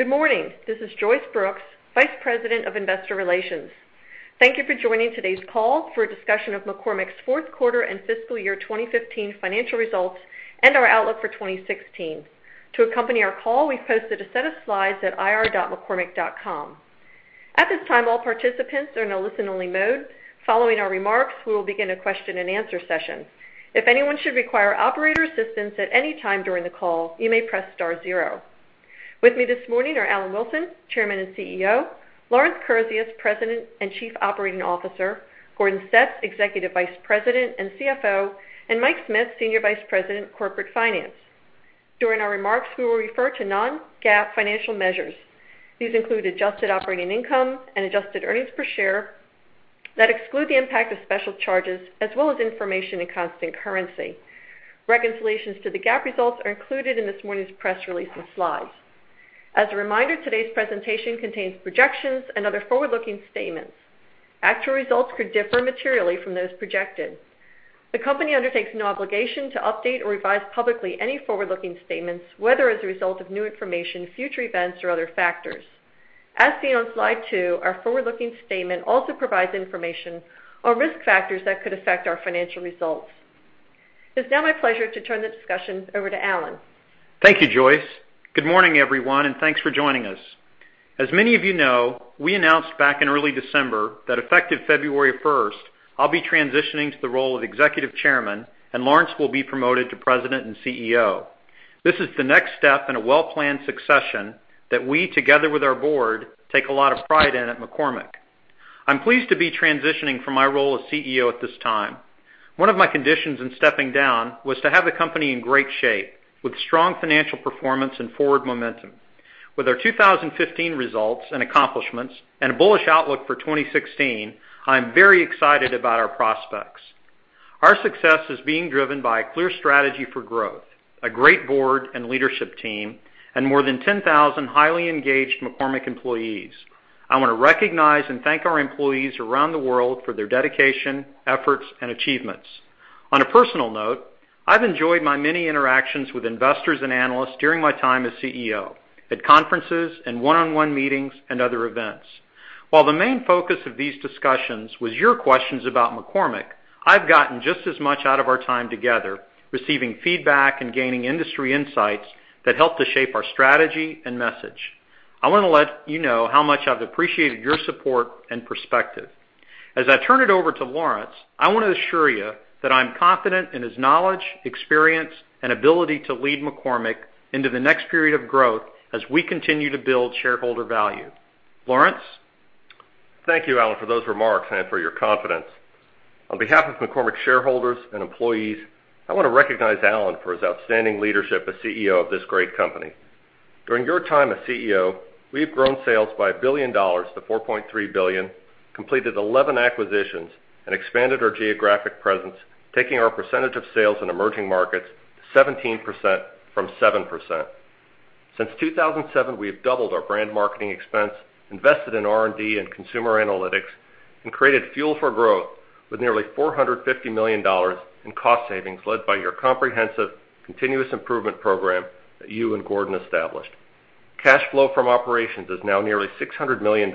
Good morning. This is Joyce Brooks, Vice President of Investor Relations. Thank you for joining today's call for a discussion of McCormick's fourth quarter and fiscal year 2015 financial results and our outlook for 2016. To accompany our call, we've posted a set of slides at ir.mccormick.com. At this time, all participants are in a listen-only mode. Following our remarks, we will begin a question and answer session. If anyone should require operator assistance at any time during the call, you may press star zero. With me this morning are Alan Wilson, Chairman and CEO; Lawrence Kurzius, President and Chief Operating Officer; Gordon Stetz, Executive Vice President and CFO; and Mike Smith, Senior Vice President, Corporate Finance. During our remarks, we will refer to non-GAAP financial measures. These include adjusted operating income and adjusted earnings per share that exclude the impact of special charges, as well as information in constant currency. Reconciliations to the GAAP results are included in this morning's press release and slides. As a reminder, today's presentation contains projections and other forward-looking statements. Actual results could differ materially from those projected. The company undertakes no obligation to update or revise publicly any forward-looking statements, whether as a result of new information, future events, or other factors. As seen on slide two, our forward-looking statement also provides information on risk factors that could affect our financial results. It's now my pleasure to turn the discussion over to Alan. Thank you, Joyce. Good morning, everyone, and thanks for joining us. As many of you know, we announced back in early December that effective February first, I'll be transitioning to the role of executive chairman. Lawrence will be promoted to president and CEO. This is the next step in a well-planned succession that we, together with our board, take a lot of pride in at McCormick. I'm pleased to be transitioning from my role as CEO at this time. One of my conditions in stepping down was to have the company in great shape with strong financial performance and forward momentum. With our 2015 results and accomplishments and a bullish outlook for 2016, I'm very excited about our prospects. Our success is being driven by a clear strategy for growth, a great board and leadership team, and more than 10,000 highly engaged McCormick employees. I want to recognize and thank our employees around the world for their dedication, efforts, and achievements. On a personal note, I've enjoyed my many interactions with investors and analysts during my time as CEO, at conferences and one-on-one meetings and other events. While the main focus of these discussions was your questions about McCormick, I've gotten just as much out of our time together, receiving feedback and gaining industry insights that help to shape our strategy and message. I want to let you know how much I've appreciated your support and perspective. As I turn it over to Lawrence, I want to assure you that I'm confident in his knowledge, experience, and ability to lead McCormick into the next period of growth as we continue to build shareholder value. Lawrence? Thank you, Alan, for those remarks and for your confidence. On behalf of McCormick shareholders and employees, I want to recognize Alan for his outstanding leadership as CEO of this great company. During your time as CEO, we have grown sales by $1 billion to $4.3 billion, completed 11 acquisitions, and expanded our geographic presence, taking our percentage of sales in emerging markets to 17% from 7%. Since 2007, we have doubled our brand marketing expense, invested in R&D and consumer analytics, and created fuel for growth with nearly $450 million in cost savings led by your comprehensive, continuous improvement program that you and Gordon established. Cash flow from operations is now nearly $600 million,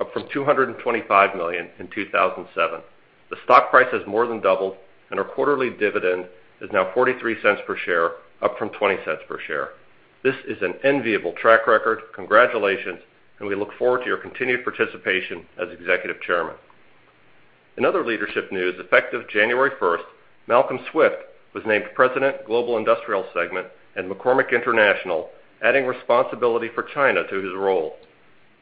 up from $225 million in 2007. The stock price has more than doubled, and our quarterly dividend is now $0.43 per share, up from $0.20 per share. This is an enviable track record. Congratulations, and we look forward to your continued participation as executive chairman. In other leadership news, effective January 1st, Malcolm Swift was named President, Global Industrial Segment and McCormick International, adding responsibility for China to his role.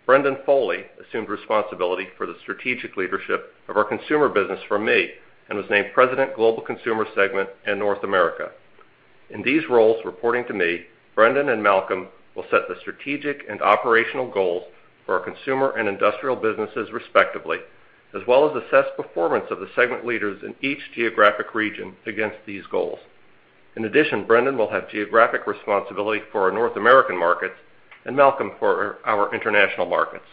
Brendan Foley assumed responsibility for the strategic leadership of our consumer business from me and was named President, Global Consumer Segment and North America. In these roles, reporting to me, Brendan and Malcolm will set the strategic and operational goals for our consumer and industrial businesses, respectively, as well as assess performance of the segment leaders in each geographic region against these goals. In addition, Brendan will have geographic responsibility for our North American markets and Malcolm for our international markets.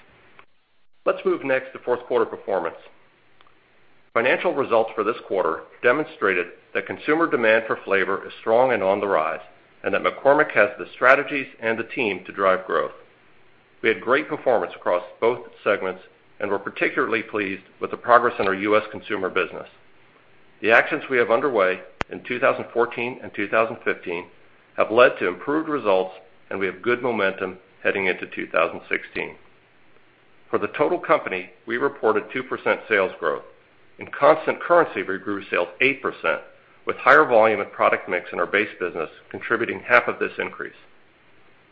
Let's move next to fourth quarter performance. Financial results for this quarter demonstrated that consumer demand for flavor is strong and on the rise and that McCormick has the strategies and the team to drive growth. We had great performance across both segments and were particularly pleased with the progress in our U.S. consumer business. The actions we have underway in 2014 and 2015 have led to improved results, and we have good momentum heading into 2016. For the total company, we reported 2% sales growth. In constant currency, we grew sales 8%, with higher volume and product mix in our base business contributing half of this increase.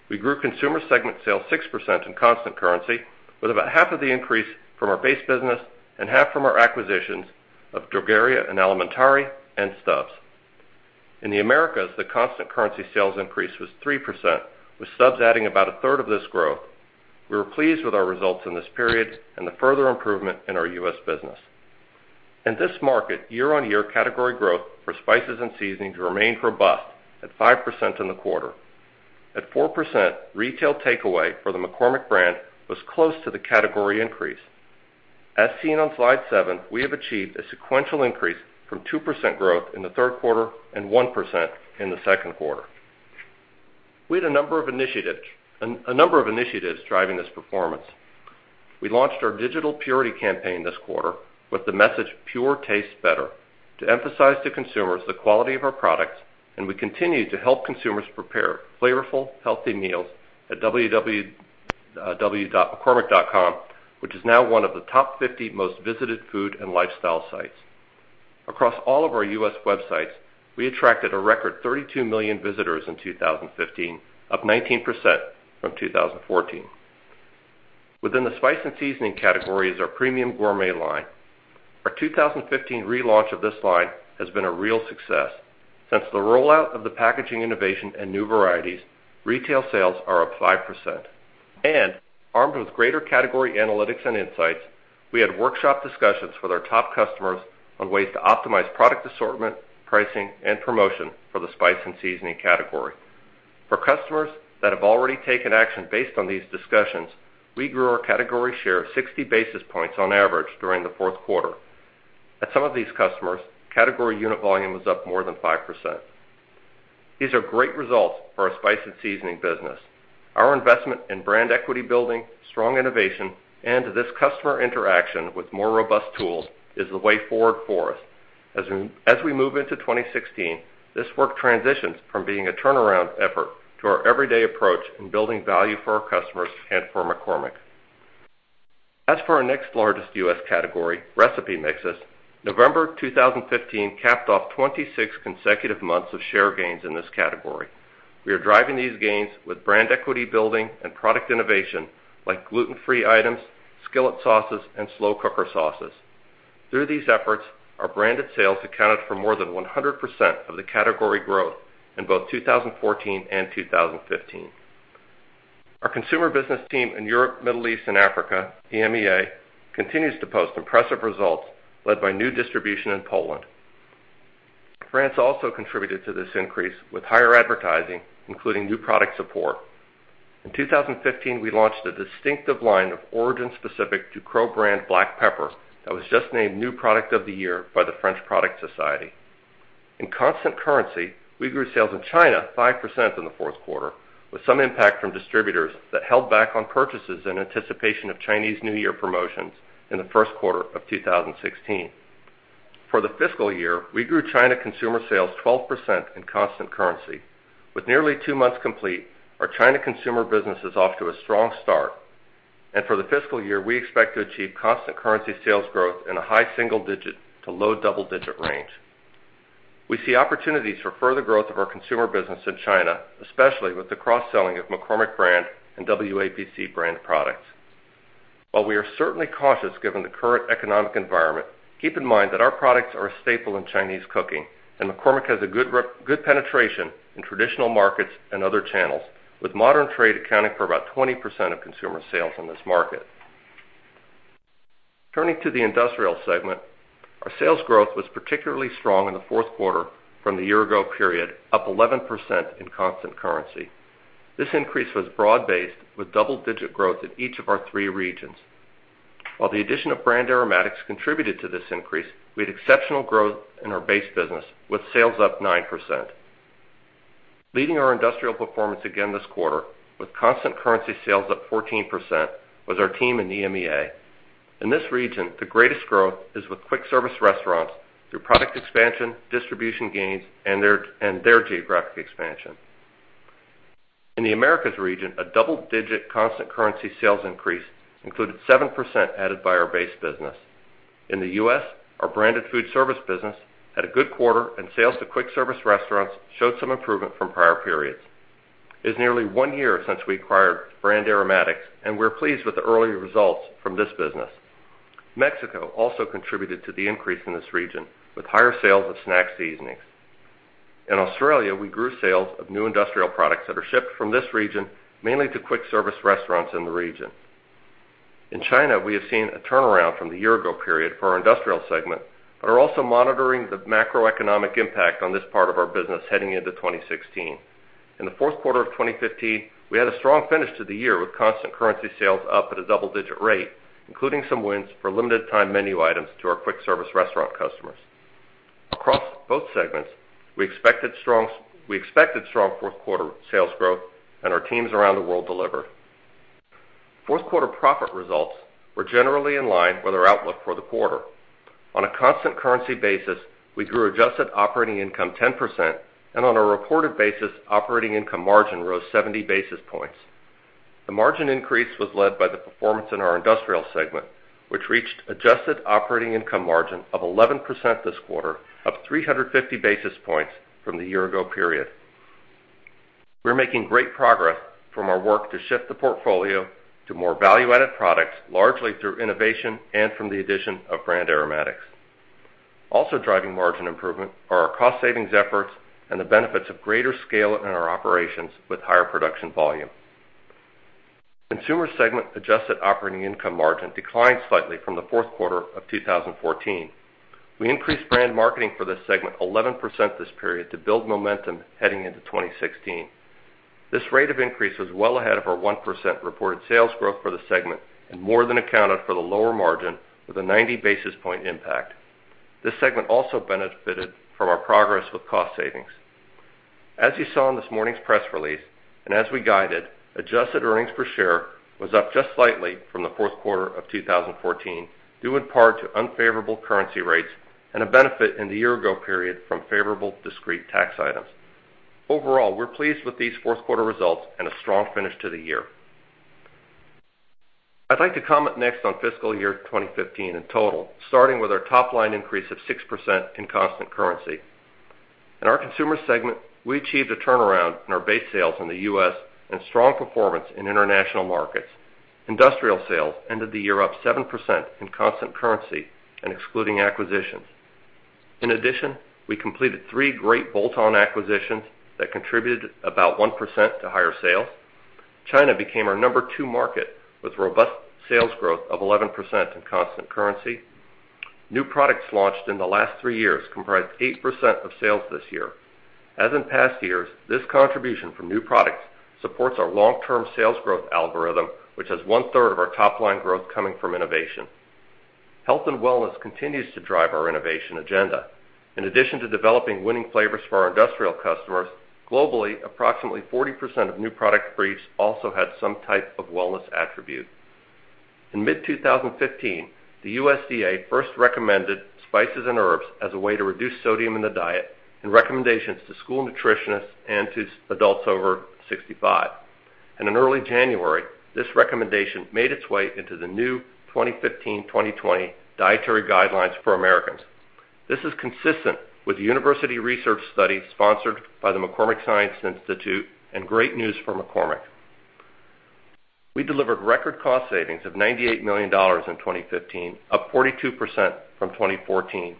We grew consumer segment sales 6% in constant currency, with about half of the increase from our base business and half from our acquisitions of Drogheria & Alimentari, and Stubb's. In the Americas, the constant currency sales increase was 3%, with Stubb's adding about a third of this growth. We were pleased with our results in this period and the further improvement in our U.S. business. In this market, year-on-year category growth for spices and seasonings remained robust at 5% in the quarter. At 4%, retail takeaway for the McCormick brand was close to the category increase. As seen on slide seven, we have achieved a sequential increase from 2% growth in the third quarter and 1% in the second quarter. We had a number of initiatives driving this performance. We launched our digital purity campaign this quarter with the message, "Pure tastes better," to emphasize to consumers the quality of our products, and we continue to help consumers prepare flavorful, healthy meals at www.mccormick.com, which is now one of the top 50 most visited food and lifestyle sites. Across all of our U.S. websites, we attracted a record 32 million visitors in 2015, up 19% from 2014. Within the spice and seasoning category is our premium gourmet line. Our 2015 relaunch of this line has been a real success. Since the rollout of the packaging innovation and new varieties, retail sales are up 5%. Armed with greater category analytics and insights, we had workshop discussions with our top customers on ways to optimize product assortment, pricing, and promotion for the spice and seasoning category. For customers that have already taken action based on these discussions, we grew our category share of 60 basis points on average during the fourth quarter. At some of these customers, category unit volume was up more than 5%. These are great results for our spice and seasoning business. Our investment in brand equity building, strong innovation, and this customer interaction with more robust tools is the way forward for us. As we move into 2016, this work transitions from being a turnaround effort to our everyday approach in building value for our customers and for McCormick. As for our next largest U.S. category, recipe mixes, November 2015 capped off 26 consecutive months of share gains in this category. We are driving these gains with brand equity building and product innovation like gluten-free items, skillet sauces, and slow cooker sauces. Through these efforts, our branded sales accounted for more than 100% of the category growth in both 2014 and 2015. Our consumer business team in Europe, Middle East, and Africa, EMEA, continues to post impressive results led by new distribution in Poland. France also contributed to this increase, with higher advertising, including new product support. In 2015, we launched a distinctive line of origin-specific Ducros brand black pepper that was just named New Product of the Year by the French Product Society. In constant currency, we grew sales in China 5% in the fourth quarter, with some impact from distributors that held back on purchases in anticipation of Chinese New Year promotions in the first quarter of 2016. For the fiscal year, we grew China consumer sales 12% in constant currency. With nearly two months complete, our China consumer business is off to a strong start. For the fiscal year, we expect to achieve constant currency sales growth in a high single digit to low double-digit range. We see opportunities for further growth of our consumer business in China, especially with the cross-selling of McCormick brand and WAPC brand products. While we are certainly cautious given the current economic environment, keep in mind that our products are a staple in Chinese cooking, and McCormick has a good penetration in traditional markets and other channels, with modern trade accounting for about 20% of consumer sales in this market. Turning to the industrial segment, our sales growth was particularly strong in the fourth quarter from the year ago period, up 11% in constant currency. This increase was broad-based, with double-digit growth in each of our three regions. While the addition of Brand Aromatics contributed to this increase, we had exceptional growth in our base business, with sales up 9%. Leading our industrial performance again this quarter, with constant currency sales up 14%, was our team in EMEA. In this region, the greatest growth is with quick service restaurants through product expansion, distribution gains, and their geographic expansion. In the Americas region, a double-digit constant currency sales increase included 7% added by our base business. In the U.S., our branded food service business had a good quarter, and sales to quick service restaurants showed some improvement from prior periods. It is nearly one year since we acquired Brand Aromatics, and we're pleased with the early results from this business. Mexico also contributed to the increase in this region, with higher sales of snack seasonings. In Australia, we grew sales of new industrial products that are shipped from this region, mainly to quick service restaurants in the region. In China, we have seen a turnaround from the year ago period for our industrial segment, but are also monitoring the macroeconomic impact on this part of our business heading into 2016. In the fourth quarter of 2015, we had a strong finish to the year, with constant currency sales up at a double-digit rate, including some wins for limited time menu items to our quick service restaurant customers. Across both segments, we expected strong fourth quarter sales growth, and our teams around the world delivered. Fourth quarter profit results were generally in line with our outlook for the quarter. On a constant currency basis, we grew adjusted operating income 10%, and on a reported basis, operating income margin rose 70 basis points. The margin increase was led by the performance in our industrial segment, which reached adjusted operating income margin of 11% this quarter, up 350 basis points from the year ago period. We're making great progress from our work to shift the portfolio to more value-added products, largely through innovation and from the addition of Brand Aromatics. Also driving margin improvement are our cost savings efforts and the benefits of greater scale in our operations with higher production volume. Consumer segment adjusted operating income margin declined slightly from the fourth quarter of 2014. We increased brand marketing for this segment 11% this period to build momentum heading into 2016. This rate of increase was well ahead of our 1% reported sales growth for the segment, and more than accounted for the lower margin with a 90 basis point impact. This segment also benefited from our progress with cost savings. As you saw in this morning's press release, and as we guided, adjusted earnings per share was up just slightly from the fourth quarter of 2014, due in part to unfavorable currency rates, and a benefit in the year-ago period from favorable discrete tax items. Overall, we're pleased with these fourth quarter results and a strong finish to the year. I'd like to comment next on fiscal year 2015 in total, starting with our top-line increase of 6% in constant currency. In our consumer segment, we achieved a turnaround in our base sales in the U.S., and strong performance in international markets. Industrial sales ended the year up 7% in constant currency and excluding acquisitions. In addition, we completed three great bolt-on acquisitions that contributed about 1% to higher sales. China became our number 2 market with robust sales growth of 11% in constant currency. New products launched in the last three years comprise 8% of sales this year. As in past years, this contribution from new products supports our long-term sales growth algorithm, which has one-third of our top-line growth coming from innovation. Health and wellness continues to drive our innovation agenda. In addition to developing winning flavors for our industrial customers, globally, approximately 40% of new product briefs also had some type of wellness attribute. In mid-2015, the USDA first recommended spices and herbs as a way to reduce sodium in the diet, and recommendations to school nutritionists and to adults over 65. In early January, this recommendation made its way into the new 2015-2020 Dietary Guidelines for Americans. This is consistent with university research studies sponsored by the McCormick Science Institute, and great news for McCormick. We delivered record cost savings of $98 million in 2015, up 42% from 2014.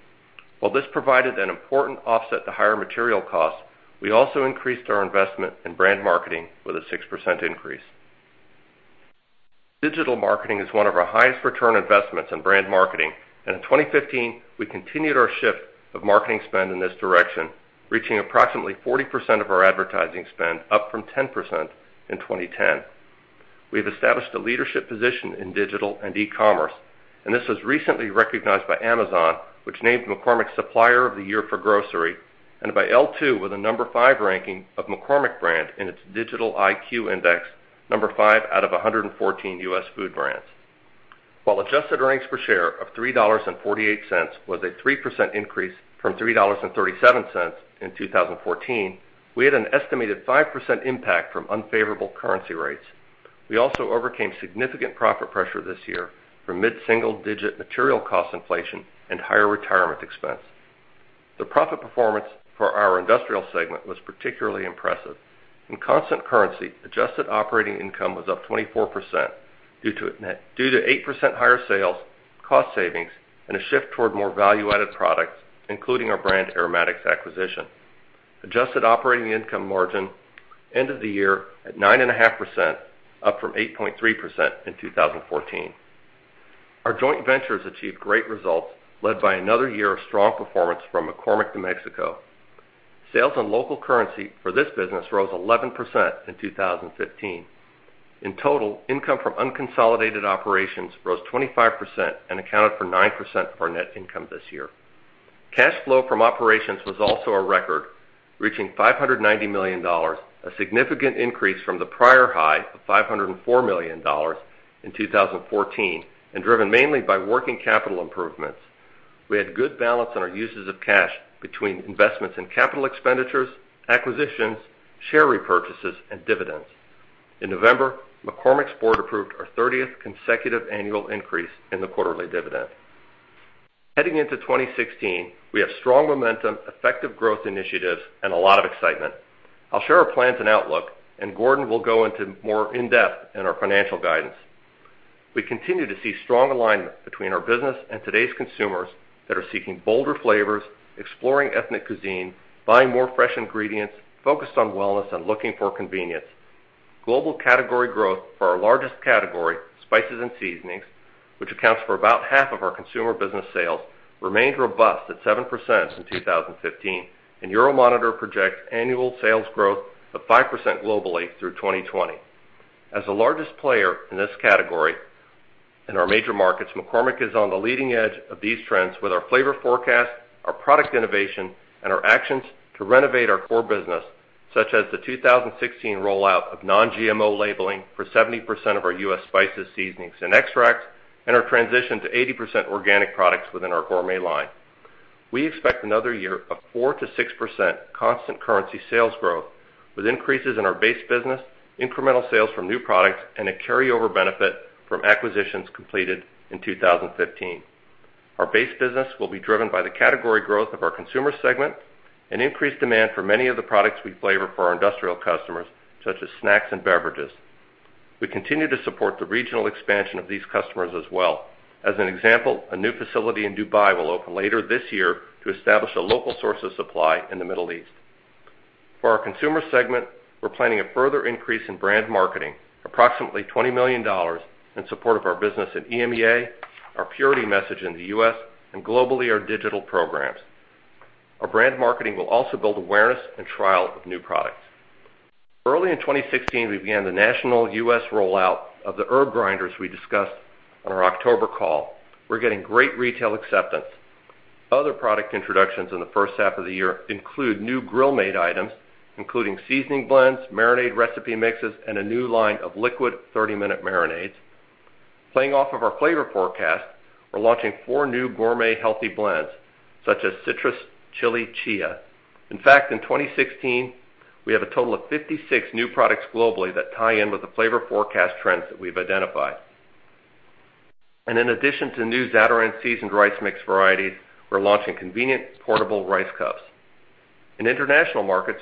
While this provided an important offset to higher material costs, we also increased our investment in brand marketing with a 6% increase. Digital marketing is one of our highest return investments in brand marketing, in 2015, we continued our shift of marketing spend in this direction, reaching approximately 40% of our advertising spend, up from 10% in 2010. We've established a leadership position in digital and e-commerce, this was recently recognized by Amazon, which named McCormick Supplier of the Year for grocery, and by L2 with a number 5 ranking of McCormick brand in its Digital IQ Index, number 5 out of 114 U.S. food brands. While adjusted earnings per share of $3.48 was a 3% increase from $3.37 in 2014, we had an estimated 5% impact from unfavorable currency rates. We also overcame significant profit pressure this year from mid-single-digit material cost inflation and higher retirement expense. The profit performance for our industrial segment was particularly impressive. In constant currency, adjusted operating income was up 24% due to 8% higher sales, cost savings, and a shift toward more value-added products, including our Brand Aromatics acquisition. Adjusted operating income margin ended the year at 9.5%, up from 8.3% in 2014. Our joint ventures achieved great results, led by another year of strong performance from McCormick de Mexico. Sales in local currency for this business rose 11% in 2015. In total, income from unconsolidated operations rose 25% and accounted for 9% of our net income this year. Cash flow from operations was also a record, reaching $590 million, a significant increase from the prior high of $504 million in 2014, driven mainly by working capital improvements. We had good balance on our uses of cash between investments in capital expenditures, acquisitions, share repurchases, and dividends. In November, McCormick's board approved our 30th consecutive annual increase in the quarterly dividend. Heading into 2016, we have strong momentum, effective growth initiatives, and a lot of excitement. I'll share our plans and outlook, Gordon will go into more in-depth in our financial guidance. We continue to see strong alignment between our business and today's consumers that are seeking bolder flavors, exploring ethnic cuisine, buying more fresh ingredients, focused on wellness, and looking for convenience. Global category growth for our largest category, spices and seasonings, which accounts for about half of our consumer business sales, remained robust at 7% in 2015, Euromonitor projects annual sales growth of 5% globally through 2020. As the largest player in this category in our major markets, McCormick is on the leading edge of these trends with our Flavor Forecast, our product innovation, and our actions to renovate our core business, such as the 2016 rollout of non-GMO labeling for 70% of our U.S. spices, seasonings, and extracts, and our transition to 80% organic products within our gourmet line. We expect another year of 4%-6% constant currency sales growth, with increases in our base business, incremental sales from new products, and a carryover benefit from acquisitions completed in 2015. Our base business will be driven by the category growth of our consumer segment and increased demand for many of the products we flavor for our industrial customers, such as snacks and beverages. We continue to support the regional expansion of these customers as well. As an example, a new facility in Dubai will open later this year to establish a local source of supply in the Middle East. For our consumer segment, we're planning a further increase in brand marketing, approximately $20 million, in support of our business in EMEA, our purity message in the U.S., and globally, our digital programs. Our brand marketing will also build awareness and trial of new products. Early in 2016, we began the national U.S. rollout of the herb grinders we discussed on our October call. We're getting great retail acceptance. Other product introductions in the first half of the year include new Grill Mates items, including seasoning blends, marinade recipe mixes, and a new line of liquid 30-minute marinades. Playing off of our Flavor Forecast, we're launching four new gourmet healthy blends, such as Citrus Chili Chia. In fact, in 2016, we have a total of 56 new products globally that tie in with the Flavor Forecast trends that we've identified. In addition to new Zatarain's seasoned rice mix varieties, we're launching convenient portable rice cups. In international markets,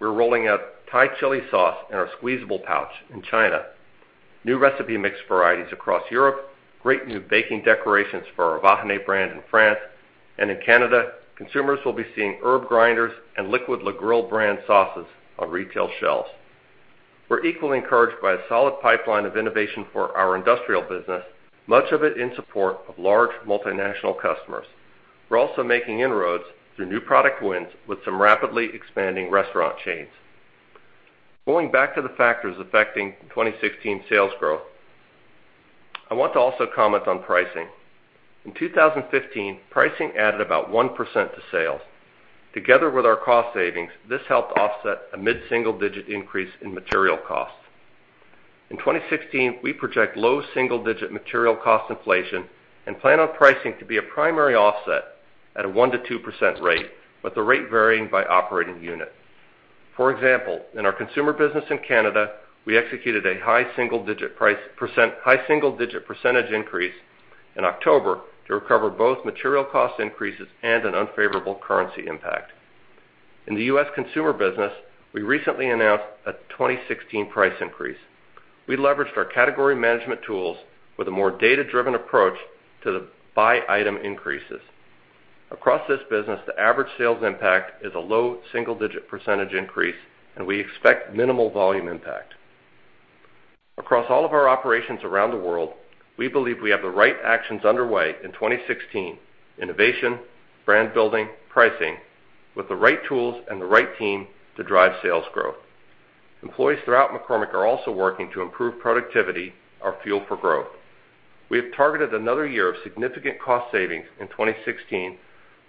we're rolling out Thai chili sauce in our squeezable pouch in China. New recipe mix varieties across Europe, great new baking decorations for our Vahiné brand in France, and in Canada, consumers will be seeing herb grinders and liquid La Grille brand sauces on retail shelves. We're equally encouraged by a solid pipeline of innovation for our industrial business, much of it in support of large multinational customers. We're also making inroads through new product wins with some rapidly expanding restaurant chains. Going back to the factors affecting 2016 sales growth, I want to also comment on pricing. In 2015, pricing added about 1% to sales. Together with our cost savings, this helped offset a mid-single-digit increase in material costs. In 2016, we project low single-digit material cost inflation and plan on pricing to be a primary offset at a 1%-2% rate, with the rate varying by operating unit. For example, in our consumer business in Canada, we executed a high single-digit percentage increase in October to recover both material cost increases and an unfavorable currency impact. In the U.S. consumer business, we recently announced a 2016 price increase. We leveraged our category management tools with a more data-driven approach to the by-item increases. Across this business, the average sales impact is a low single-digit percentage increase, and we expect minimal volume impact. Across all of our operations around the world, we believe we have the right actions underway in 2016, innovation, brand building, pricing, with the right tools and the right team to drive sales growth. Employees throughout McCormick are also working to improve productivity, our fuel for growth. We have targeted another year of significant cost savings in 2016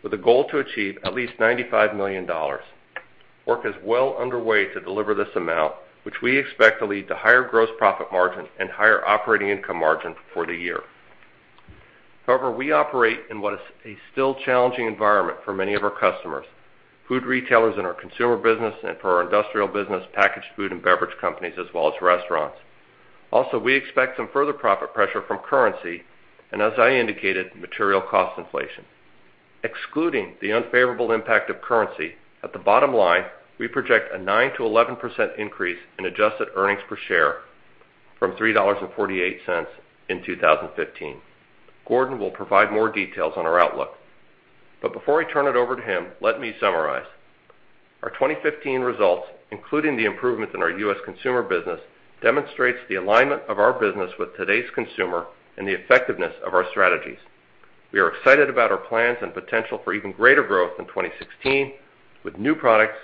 with a goal to achieve at least $95 million. Work is well underway to deliver this amount, which we expect to lead to higher gross profit margin and higher operating income margin for the year. However, we operate in what is a still challenging environment for many of our customers, food retailers in our consumer business and for our industrial business, packaged food and beverage companies, as well as restaurants. Also, we expect some further profit pressure from currency, and as I indicated, material cost inflation. Excluding the unfavorable impact of currency, at the bottom line, we project a 9%-11% increase in adjusted earnings per share from $3.48 in 2015. Gordon will provide more details on our outlook. Before I turn it over to him, let me summarize. Our 2015 results, including the improvements in our U.S. consumer business, demonstrates the alignment of our business with today's consumer and the effectiveness of our strategies. We are excited about our plans and potential for even greater growth in 2016 with new products,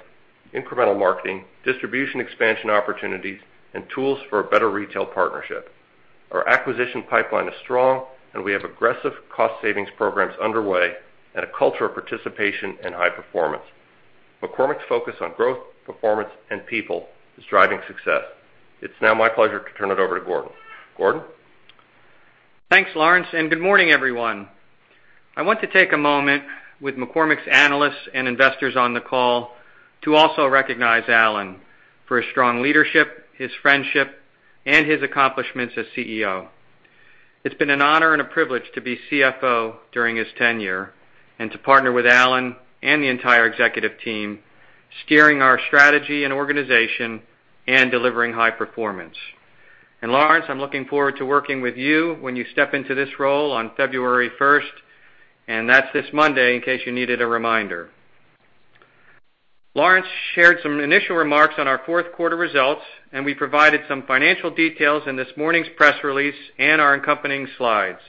incremental marketing, distribution expansion opportunities, and tools for a better retail partnership. Our acquisition pipeline is strong, and we have aggressive cost savings programs underway and a culture of participation and high performance. McCormick's focus on growth, performance, and people is driving success. It's now my pleasure to turn it over to Gordon. Gordon? Thanks, Lawrence, and good morning, everyone. I want to take a moment with McCormick's analysts and investors on the call to also recognize Alan for his strong leadership, his friendship, and his accomplishments as CEO. It's been an honor and a privilege to be CFO during his tenure, and to partner with Alan and the entire executive team, steering our strategy and organization and delivering high performance. Lawrence, I'm looking forward to working with you when you step into this role on February 1st, and that's this Monday in case you needed a reminder. Lawrence shared some initial remarks on our fourth quarter results, we provided some financial details in this morning's press release and our accompanying slides.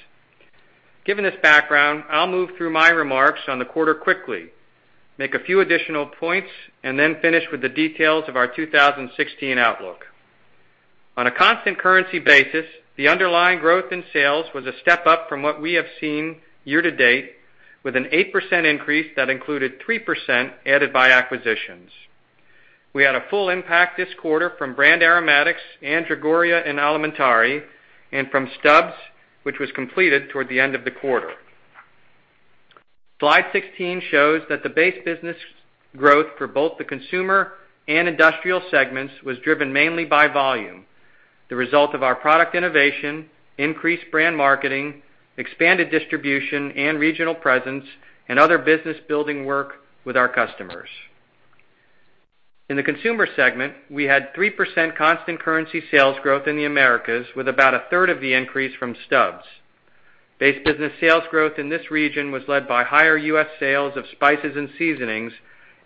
Given this background, I'll move through my remarks on the quarter quickly, make a few additional points, then finish with the details of our 2016 outlook. On a constant currency basis, the underlying growth in sales was a step up from what we have seen year to date, with an 8% increase that included 3% added by acquisitions. We had a full impact this quarter from Brand Aromatics and Drogheria & Alimentari, and from Stubb's, which was completed toward the end of the quarter. Slide 16 shows that the base business growth for both the consumer and industrial segments was driven mainly by volume, the result of our product innovation, increased brand marketing, expanded distribution and regional presence, and other business building work with our customers. In the consumer segment, we had 3% constant currency sales growth in the Americas, with about a third of the increase from Stubb's. Base business sales growth in this region was led by higher U.S. sales of spices and seasonings,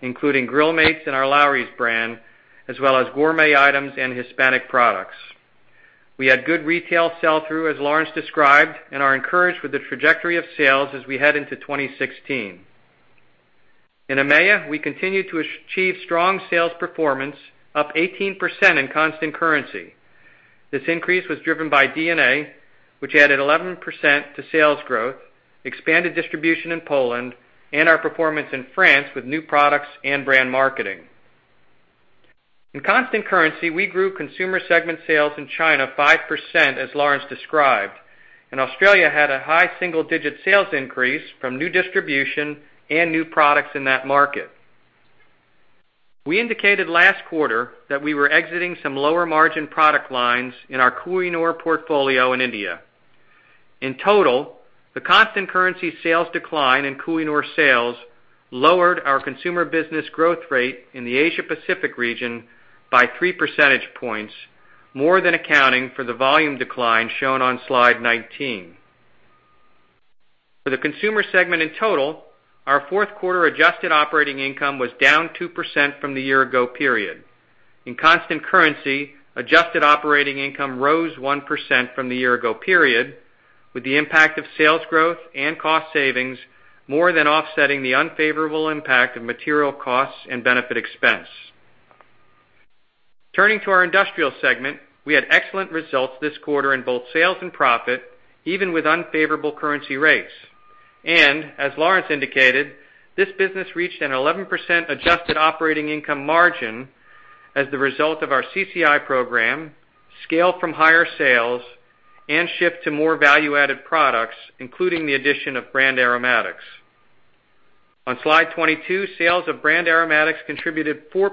including Grill Mates and our Lawry's brand, as well as gourmet items and Hispanic products. We had good retail sell-through, as Lawrence described, and are encouraged with the trajectory of sales as we head into 2016. In EMEA, we continued to achieve strong sales performance, up 18% in constant currency. This increase was driven by D&A, which added 11% to sales growth, expanded distribution in Poland, and our performance in France with new products and brand marketing. In constant currency, we grew consumer segment sales in China 5%, as Lawrence described, and Australia had a high single-digit sales increase from new distribution and new products in that market. We indicated last quarter that we were exiting some lower-margin product lines in our Kohinoor portfolio in India. In total, the constant currency sales decline in Kohinoor sales lowered our consumer business growth rate in the Asia Pacific region by three percentage points, more than accounting for the volume decline shown on slide 19. For the consumer segment in total, our fourth quarter adjusted operating income was down 2% from the year ago period. In constant currency, adjusted operating income rose 1% from the year ago period, with the impact of sales growth and cost savings more than offsetting the unfavorable impact of material costs and benefit expense. Turning to our industrial segment, we had excellent results this quarter in both sales and profit, even with unfavorable currency rates. As Lawrence indicated, this business reached an 11% adjusted operating income margin as the result of our CCI program, scale from higher sales, and shift to more value-added products, including the addition of Brand Aromatics. On slide 22, sales of Brand Aromatics contributed 4%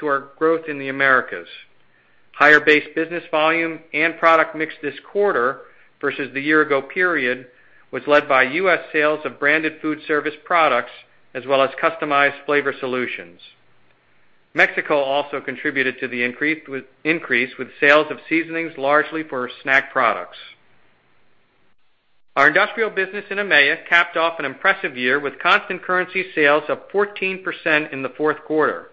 to our growth in the Americas. Higher base business volume and product mix this quarter versus the year ago period was led by U.S. sales of branded food service products, as well as customized flavor solutions. Mexico also contributed to the increase with sales of seasonings largely for snack products. Our industrial business in EMEA capped off an impressive year with constant currency sales up 14% in the fourth quarter.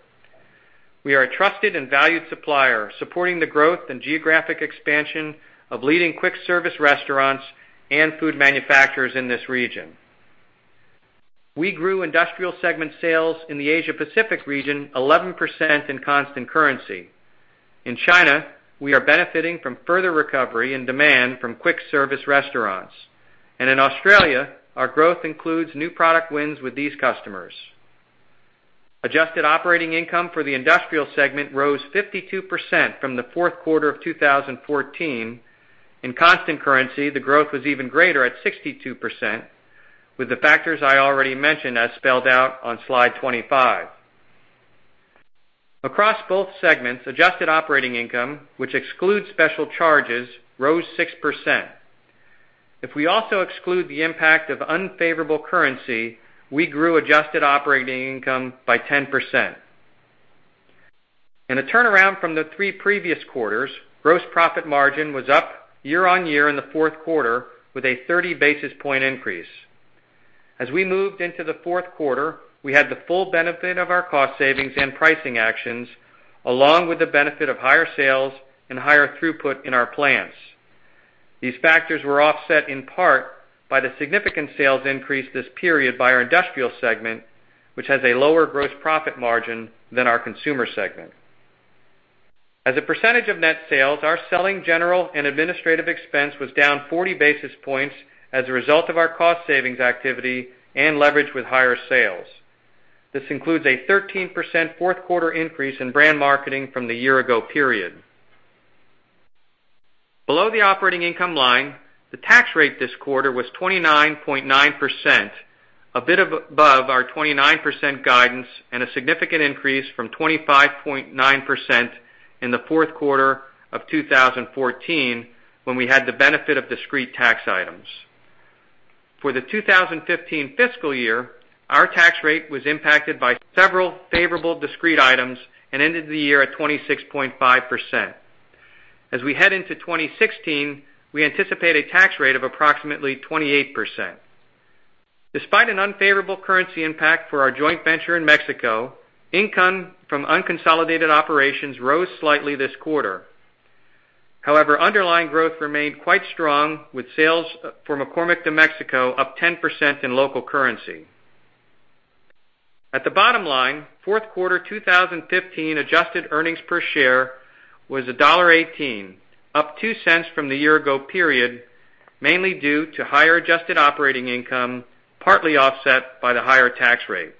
We are a trusted and valued supplier, supporting the growth and geographic expansion of leading quick service restaurants and food manufacturers in this region. We grew industrial segment sales in the Asia Pacific region 11% in constant currency. In China, we are benefiting from further recovery and demand from quick service restaurants. In Australia, our growth includes new product wins with these customers. Adjusted operating income for the industrial segment rose 52% from the fourth quarter of 2014. In constant currency, the growth was even greater at 62%, with the factors I already mentioned as spelled out on slide 25. Across both segments, adjusted operating income, which excludes special charges, rose 6%. If we also exclude the impact of unfavorable currency, we grew adjusted operating income by 10%. In a turnaround from the three previous quarters, gross profit margin was up year-on-year in the fourth quarter with a 30 basis point increase. As we moved into the fourth quarter, we had the full benefit of our cost savings and pricing actions, along with the benefit of higher sales and higher throughput in our plants. These factors were offset in part by the significant sales increase this period by our industrial segment, which has a lower gross profit margin than our consumer segment. As a percentage of net sales, our selling, general, and administrative expense was down 40 basis points as a result of our cost savings activity and leverage with higher sales. This includes a 13% fourth quarter increase in brand marketing from the year ago period. Below the operating income line, the tax rate this quarter was 29.9%, a bit above our 29% guidance and a significant increase from 25.9% in the fourth quarter of 2014, when we had the benefit of discrete tax items. For the 2015 fiscal year, our tax rate was impacted by several favorable discrete items and ended the year at 26.5%. As we head into 2016, we anticipate a tax rate of approximately 28%. Despite an unfavorable currency impact for our joint venture in Mexico, income from unconsolidated operations rose slightly this quarter. Underlying growth remained quite strong, with sales for McCormick de Mexico up 10% in local currency. At the bottom line, fourth quarter 2015 adjusted earnings per share was $1.18, up $0.02 from the year ago period, mainly due to higher adjusted operating income, partly offset by the higher tax rate.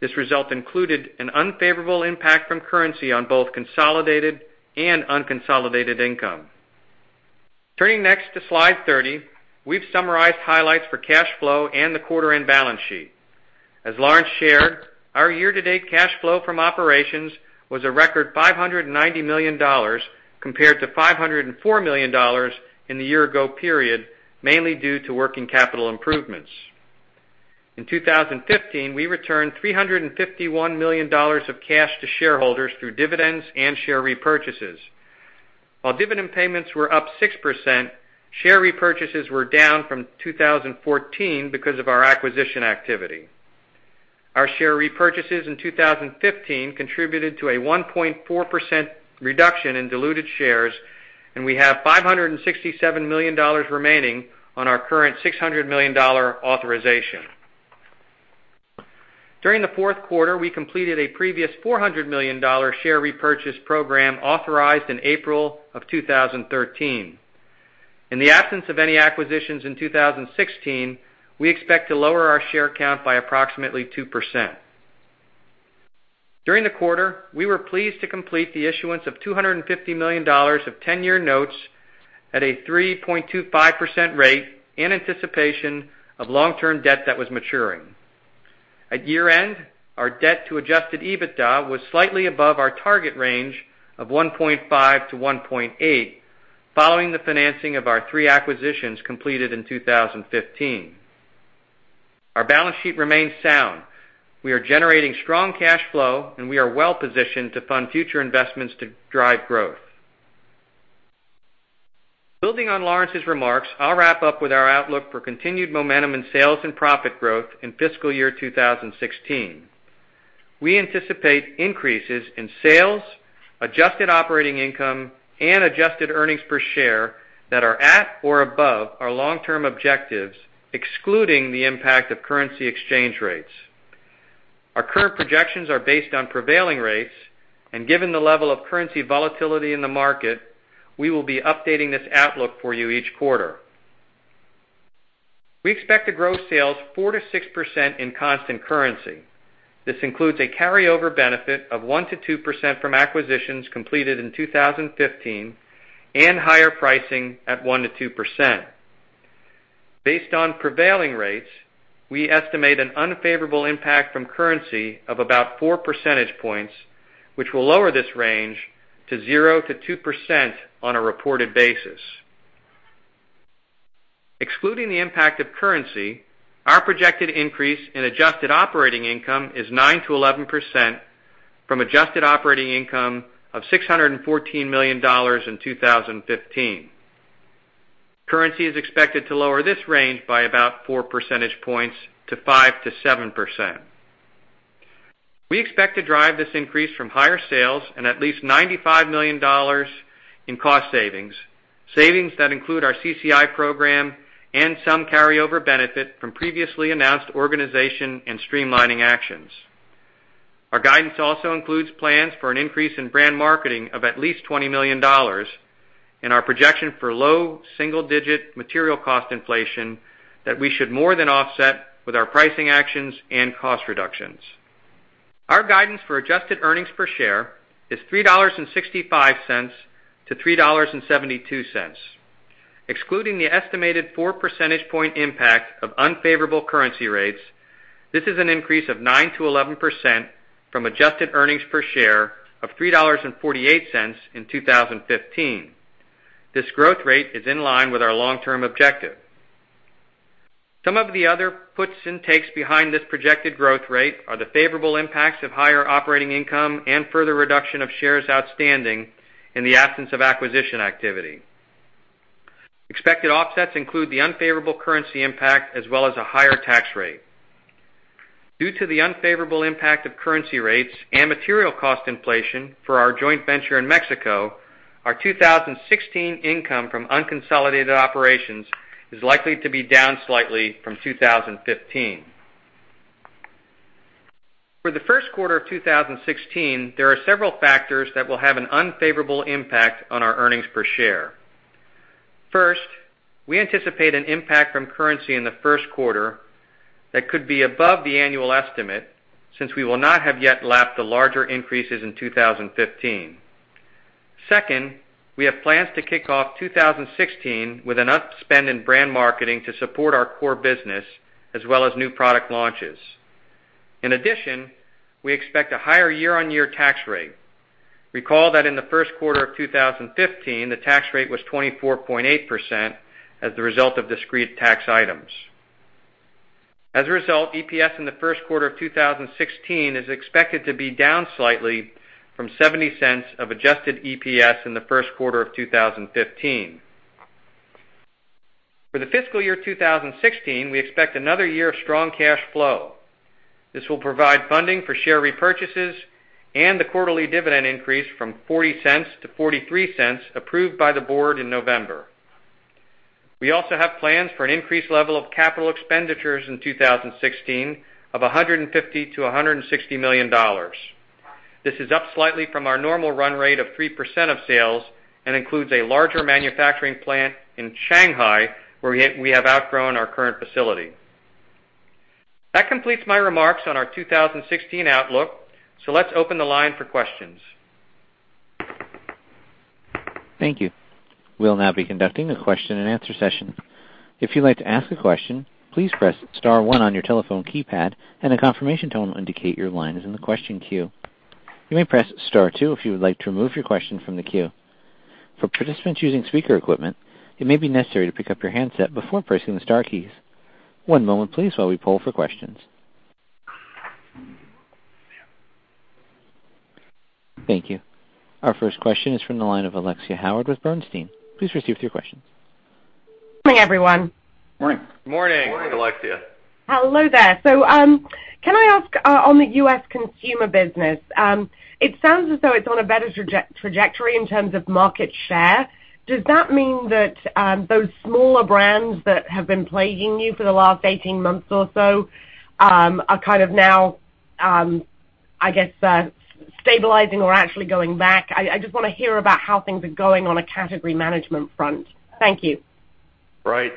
This result included an unfavorable impact from currency on both consolidated and unconsolidated income. Turning next to slide 30, we've summarized highlights for cash flow and the quarter end balance sheet. As Lawrence shared, our year-to-date cash flow from operations was a record $590 million compared to $504 million in the year ago period, mainly due to working capital improvements. In 2015, we returned $351 million of cash to shareholders through dividends and share repurchases. Dividend payments were up 6%, share repurchases were down from 2014 because of our acquisition activity. Our share repurchases in 2015 contributed to a 1.4% reduction in diluted shares, and we have $567 million remaining on our current $600 million authorization. During the fourth quarter, we completed a previous $400 million share repurchase program authorized in April of 2013. In the absence of any acquisitions in 2016, we expect to lower our share count by approximately 2%. During the quarter, we were pleased to complete the issuance of $250 million of 10-year notes at a 3.25% rate in anticipation of long-term debt that was maturing. At year-end, our debt to adjusted EBITDA was slightly above our target range of 1.5-1.8, following the financing of our three acquisitions completed in 2015. Our balance sheet remains sound. We are generating strong cash flow, and we are well-positioned to fund future investments to drive growth. Building on Lawrence's remarks, I'll wrap up with our outlook for continued momentum in sales and profit growth in fiscal year 2016. We anticipate increases in sales, adjusted operating income, and adjusted earnings per share that are at or above our long-term objectives, excluding the impact of currency exchange rates. Our current projections are based on prevailing rates, and given the level of currency volatility in the market, we will be updating this outlook for you each quarter. We expect to grow sales 4%-6% in constant currency. This includes a carryover benefit of 1%-2% from acquisitions completed in 2015 and higher pricing at 1%-2%. Based on prevailing rates, we estimate an unfavorable impact from currency of about four percentage points, which will lower this range to 0%-2% on a reported basis. Excluding the impact of currency, our projected increase in adjusted operating income is 9%-11% from adjusted operating income of $614 million in 2015. Currency is expected to lower this range by about four percentage points to 5%-7%. We expect to drive this increase from higher sales and at least $95 million in cost savings that include our CCI program and some carryover benefit from previously announced organization and streamlining actions. Our guidance also includes plans for an increase in brand marketing of at least $20 million and our projection for low single-digit material cost inflation that we should more than offset with our pricing actions and cost reductions. Our guidance for adjusted earnings per share is $3.65 to $3.72. Excluding the estimated four percentage point impact of unfavorable currency rates, this is an increase of 9%-11% from adjusted earnings per share of $3.48 in 2015. This growth rate is in line with our long-term objective. Some of the other puts and takes behind this projected growth rate are the favorable impacts of higher operating income and further reduction of shares outstanding in the absence of acquisition activity. Expected offsets include the unfavorable currency impact as well as a higher tax rate. Due to the unfavorable impact of currency rates and material cost inflation for our joint venture in Mexico, our 2016 income from unconsolidated operations is likely to be down slightly from 2015. For the first quarter of 2016, there are several factors that will have an unfavorable impact on our earnings per share. First, we anticipate an impact from currency in the first quarter that could be above the annual estimate, since we will not have yet lapped the larger increases in 2015. Second, we have plans to kick off 2016 with an upspend in brand marketing to support our core business as well as new product launches. In addition, we expect a higher year-on-year tax rate. Recall that in the first quarter of 2015, the tax rate was 24.8% as the result of discrete tax items. As a result, EPS in the first quarter of 2016 is expected to be down slightly from $0.70 of adjusted EPS in the first quarter of 2015. For the fiscal year 2016, we expect another year of strong cash flow. This will provide funding for share repurchases and the quarterly dividend increase from $0.40 to $0.43 approved by the board in November. We also have plans for an increased level of capital expenditures in 2016 of $150 million-$160 million. This is up slightly from our normal run rate of 3% of sales and includes a larger manufacturing plant in Shanghai, where we have outgrown our current facility. That completes my remarks on our 2016 outlook, let's open the line for questions. Thank you. We'll now be conducting a question and answer session. If you'd like to ask a question, please press *1 on your telephone keypad, and a confirmation tone will indicate your line is in the question queue. You may press *2 if you would like to remove your question from the queue. For participants using speaker equipment, it may be necessary to pick up your handset before pressing the star keys. One moment, please, while we poll for questions. Thank you. Our first question is from the line of Alexia Howard with Bernstein. Please proceed with your question. Morning, everyone. Morning. Morning. Morning, Alexia. Hello there. Can I ask on the U.S. consumer business, it sounds as though it's on a better trajectory in terms of market share. Does that mean that those smaller brands that have been plaguing you for the last 18 months or so are kind of now, I guess, stabilizing or actually going back? I just want to hear about how things are going on a category management front. Thank you.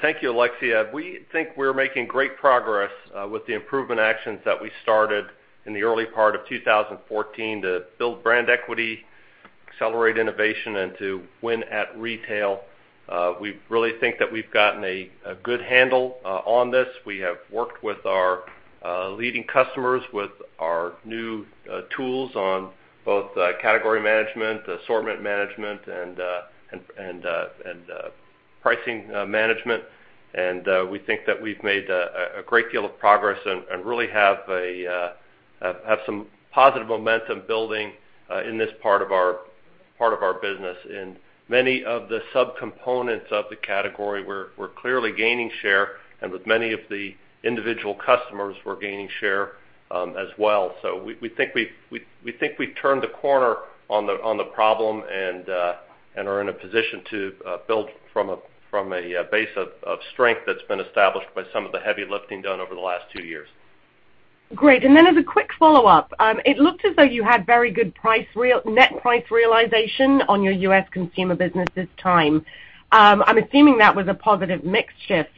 Thank you, Alexia. We think we're making great progress with the improvement actions that we started in the early part of 2014 to build brand equity, accelerate innovation, and to win at retail. We really think that we've gotten a good handle on this. We have worked with our leading customers, with our new tools on both category management, assortment management, and pricing management. We think that we've made a great deal of progress and really have some positive momentum building in this part of our business. In many of the subcomponents of the category, we're clearly gaining share, and with many of the individual customers, we're gaining share as well. We think we've turned the corner on the problem and are in a position to build from a base of strength that's been established by some of the heavy lifting done over the last two years. Great. As a quick follow-up, it looked as though you had very good net price realization on your U.S. consumer business this time. I'm assuming that was a positive mix shift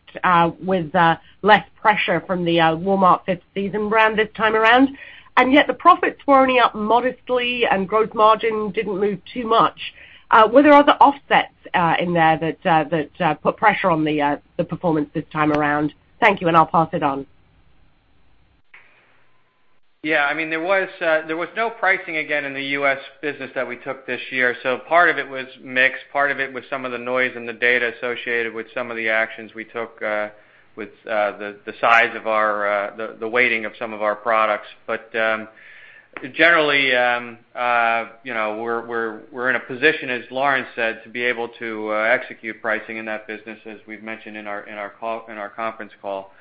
with less pressure from the Walmart Fifth Season brand this time around, and yet the profits were only up modestly and gross margin didn't move too much. Were there other offsets in there that put pressure on the performance this time around? Thank you, and I'll pass it on. Yeah, there was no pricing again in the U.S. business that we took this year. Part of it was mix, part of it was some of the noise and the data associated with some of the actions we took with the weighting of some of our products. Generally, we're in a position, as Lawrence said, to be able to execute pricing in that business, as we've mentioned in our conference call.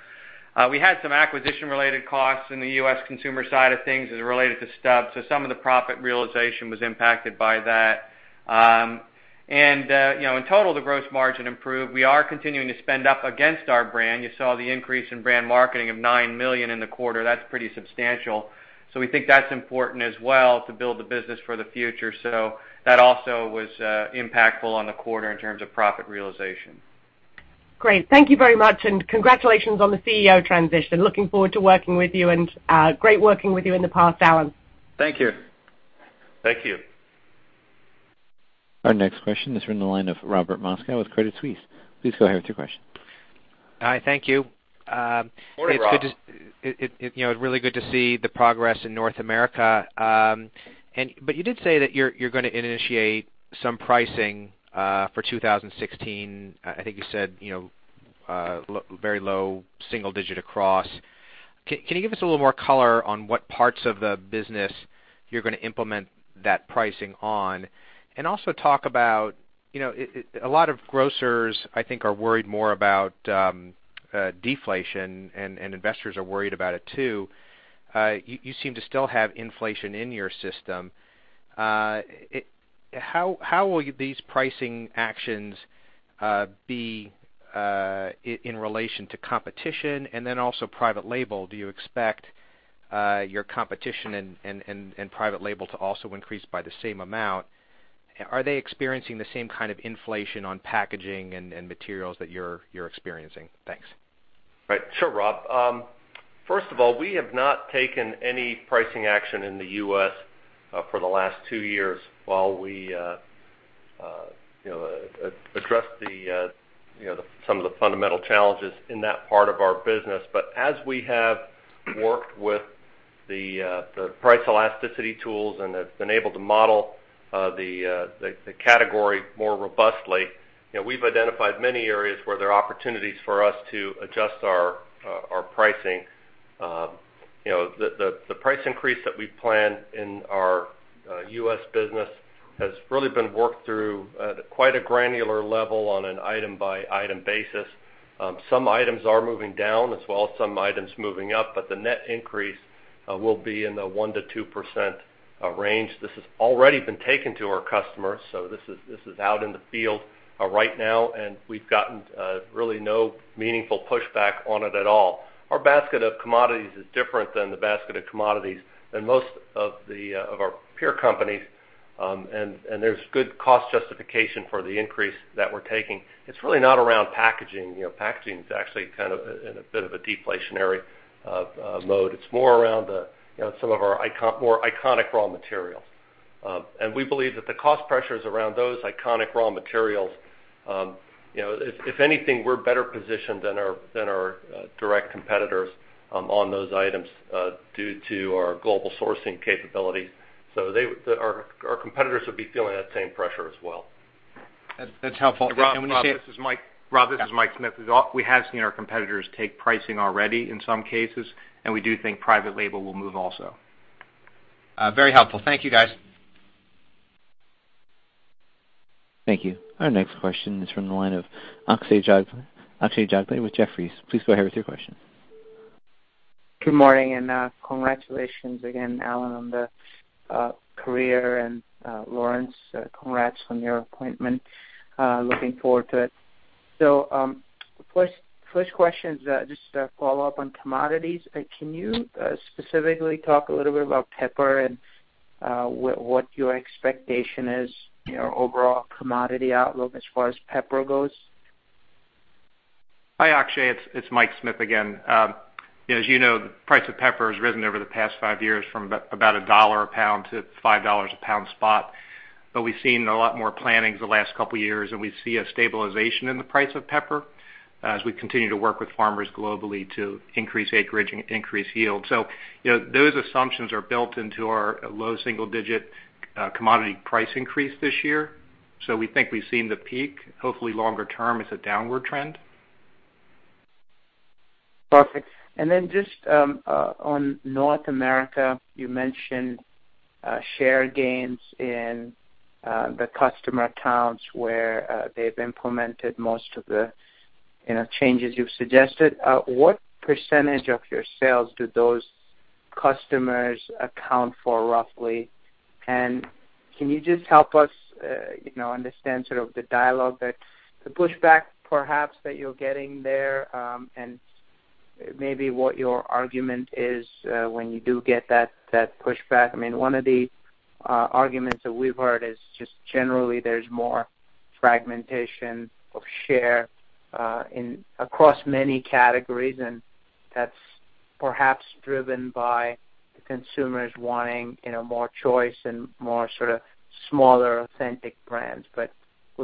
We had some acquisition-related costs in the U.S. consumer side of things as related to Stubb's, so some of the profit realization was impacted by that. In total, the gross margin improved. We are continuing to spend up against our brand. You saw the increase in brand marketing of $9 million in the quarter. That's pretty substantial. We think that's important as well to build the business for the future. That also was impactful on the quarter in terms of profit realization. Thank you very much. Congratulations on the CEO transition. Looking forward to working with you. Great working with you in the past, Alan. Thank you. Thank you. Our next question is from the line of Robert Moskow with Credit Suisse. Please go ahead with your question. Hi, thank you. Morning, Rob. It's really good to see the progress in North America. You did say that you're going to initiate some pricing for 2016. I think you said very low single-digit across. Can you give us a little more color on what parts of the business you're going to implement that pricing on? Also talk about a lot of grocers, I think, are worried more about deflation, and investors are worried about it, too. You seem to still have inflation in your system. How will these pricing actions be in relation to competition and then also private label? Do you expect your competition and private label to also increase by the same amount? Are they experiencing the same kind of inflation on packaging and materials that you're experiencing? Thanks. Right. Sure, Rob. First of all, we have not taken any pricing action in the U.S. for the last two years while we address some of the fundamental challenges in that part of our business. As we have worked with the price elasticity tools and have been able to model the category more robustly, we've identified many areas where there are opportunities for us to adjust our pricing. The price increase that we plan in our U.S. business has really been worked through at quite a granular level on an item-by-item basis. Some items are moving down as well as some items moving up, but the net increase will be in the 1%-2% range. This has already been taken to our customers, so this is out in the field right now, and we've gotten really no meaningful pushback on it at all. Our basket of commodities is different than the basket of commodities than most of our peer companies, and there's good cost justification for the increase that we're taking. It's really not around packaging. Packaging is actually kind of in a bit of a deflationary mode. It's more around some of our more iconic raw materials. We believe that the cost pressures around those iconic raw materials, if anything, we're better positioned than our direct competitors on those items due to our global sourcing capabilities. Our competitors would be feeling that same pressure as well. That's helpful. When you say- Rob, this is Mike Smith. We have seen our competitors take pricing already in some cases, and we do think private label will move also. Very helpful. Thank you, guys. Thank you. Our next question is from the line of Akshay Jagdale with Jefferies. Please go ahead with your question. Good morning, and congratulations again, Alan, on the career, and Lawrence, congrats on your appointment. Looking forward to it. First question is just a follow-up on commodities. Can you specifically talk a little bit about pepper and what your expectation is, overall commodity outlook as far as pepper goes? Hi, Akshay. It's Mike Smith again. As you know, the price of pepper has risen over the past five years from about $1 a pound to $5 a pound spot. We've seen a lot more plantings the last couple of years, and we see a stabilization in the price of pepper as we continue to work with farmers globally to increase acreage and increase yield. Those assumptions are built into our low single-digit commodity price increase this year. We think we've seen the peak, hopefully longer term, it's a downward trend. Perfect. Then just on North America, you mentioned share gains in the customer accounts where they've implemented most of the changes you've suggested. What % of your sales do those customers account for roughly? Can you just help us understand the dialogue, the pushback perhaps that you're getting there, and maybe what your argument is when you do get that pushback. One of the arguments that we've heard is just generally there's more fragmentation of share across many categories, and that's perhaps driven by the consumers wanting more choice and more sort of smaller, authentic brands. We'd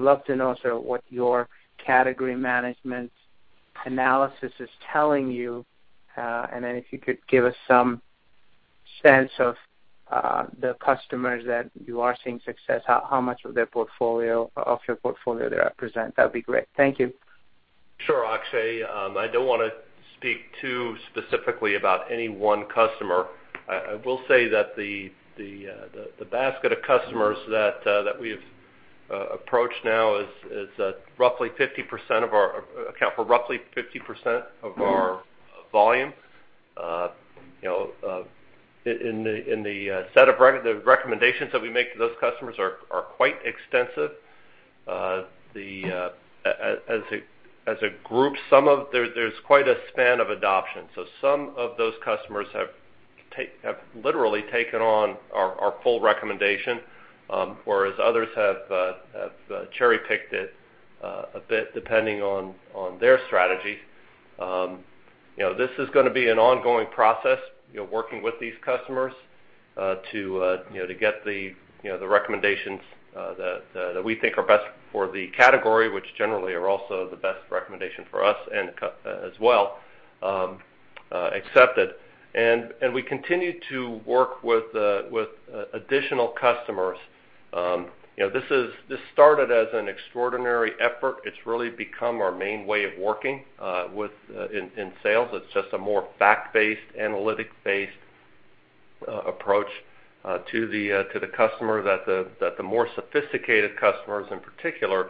love to know, sort of what your category management analysis is telling you. Then if you could give us some sense of the customers that you are seeing success, how much of their portfolio of your portfolio they represent, that'd be great. Thank you. Sure, Akshay. I don't want to speak too specifically about any one customer. I will say that the basket of customers that we've approached now account for roughly 50% of our volume. The set of recommendations that we make to those customers are quite extensive. As a group, there's quite a span of adoption. Some of those customers have literally taken on our full recommendation, whereas others have cherry-picked it a bit depending on their strategy. This is gonna be an ongoing process, working with these customers to get the recommendations that we think are best for the category, which generally are also the best recommendation for us as well accepted. We continue to work with additional customers. This started as an extraordinary effort. It's really become our main way of working in sales. It's just a more fact-based, analytic-based approach to the customer that the more sophisticated customers, in particular,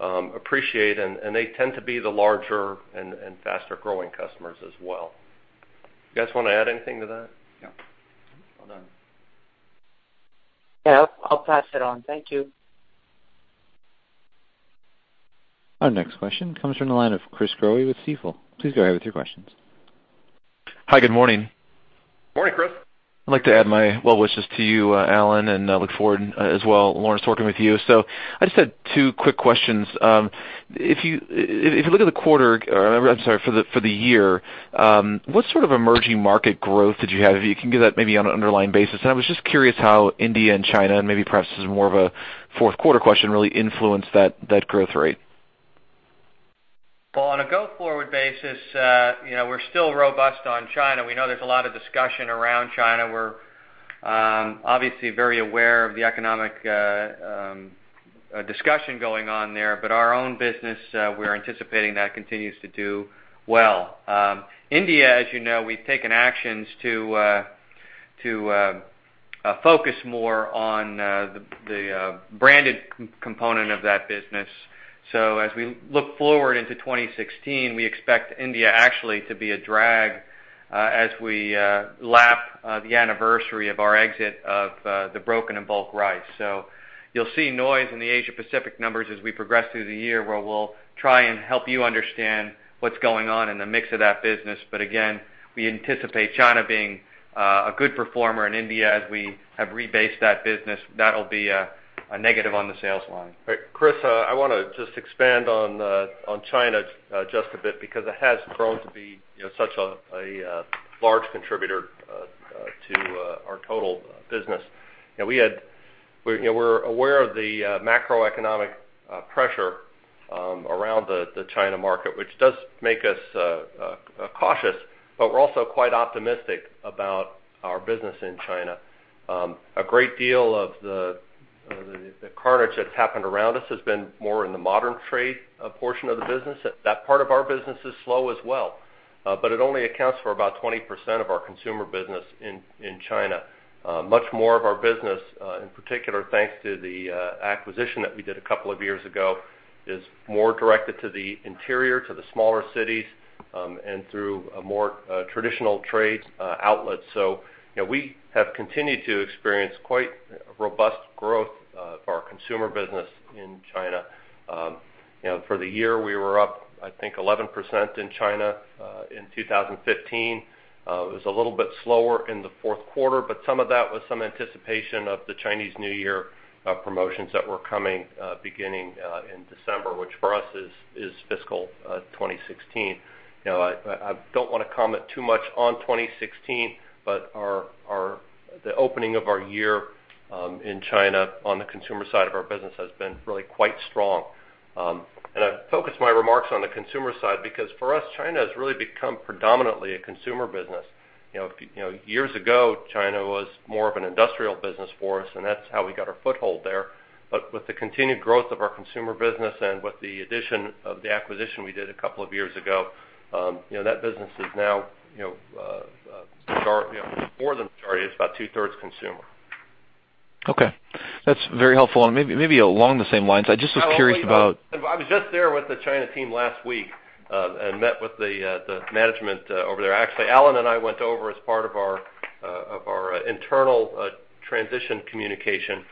appreciate. They tend to be the larger and faster-growing customers as well. You guys want to add anything to that? No. Well done. Yeah, I'll pass it on. Thank you. Our next question comes from the line of Chris Growe with Stifel. Please go ahead with your questions. Hi, good morning. Morning, Chris. I'd like to add my well wishes to you, Alan, and look forward as well, Lawrence, talking with you. I just had two quick questions. If you look at the quarter-- I'm sorry, for the year, what sort of emerging market growth did you have? If you can give that maybe on an underlying basis. I was just curious how India and China, and maybe perhaps this is more of a fourth quarter question, really influenced that growth rate. Well, on a go-forward basis, we're still robust on China. We know there's a lot of discussion around China. We're obviously very aware of the economic discussion going on there. Our own business, we're anticipating that continues to do well. India, as you know, we've taken actions to focus more on the branded component of that business. As we look forward into 2016, we expect India actually to be a drag as we lap the anniversary of our exit of the broken and bulk rice. You'll see noise in the Asia Pacific numbers as we progress through the year, where we'll try and help you understand what's going on in the mix of that business. Again, we anticipate China being a good performer in India as we have rebased that business. That'll be a negative on the sales line. Chris, I wanna just expand on China just a bit because it has grown to be such a large contributor to our total business. We're aware of the macroeconomic pressure around the China market, which does make us cautious, but we're also quite optimistic about our business in China. A great deal of the carnage that's happened around us has been more in the modern trade portion of the business. That part of our business is slow as well, but it only accounts for about 20% of our consumer business in China. Much more of our business, in particular, thanks to the acquisition that we did a couple of years ago, is more directed to the interior, to the smaller cities, and through a more traditional trade outlet. We have continued to experience quite robust growth of our consumer business in China. For the year, we were up, I think, 11% in China in 2015. It was a little bit slower in the fourth quarter, but some of that was some anticipation of the Chinese New Year promotions that were coming, beginning in December, which for us is fiscal 2016. I don't want to comment too much on 2016, but the opening of our year in China on the consumer side of our business has been really quite strong. I focus my remarks on the consumer side, because for us, China has really become predominantly a consumer business. Years ago, China was more of an industrial business for us, and that's how we got our foothold there. With the continued growth of our consumer business and with the addition of the acquisition we did a couple of years ago, that business is now more than majority, it's about two-thirds consumer. Okay. That's very helpful. Maybe along the same lines, I just was curious about. I was just there with the China team last week and met with the management over there. Actually, Alan and I went over as part of our internal transition communication.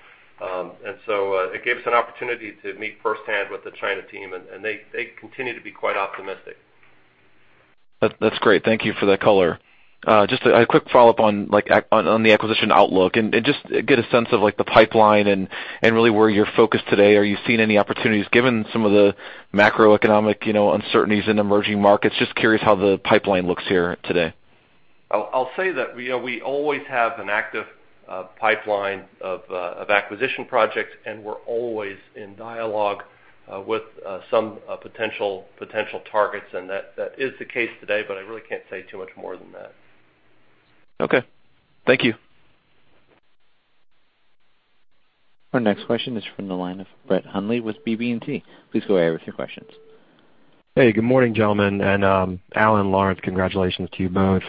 It gave us an opportunity to meet firsthand with the China team, and they continue to be quite optimistic. That's great. Thank you for that color. Just a quick follow-up on the acquisition outlook and just get a sense of the pipeline and really where you're focused today. Are you seeing any opportunities, given some of the macroeconomic uncertainties in emerging markets? Just curious how the pipeline looks here today. I'll say that we always have an active pipeline of acquisition projects, and we're always in dialogue with some potential targets. That is the case today, but I really can't say too much more than that. Okay. Thank you. Our next question is from the line of Brett Hundley with BB&T. Please go ahead with your questions. Hey, good morning, gentlemen. Alan, Lawrence, congratulations to you both.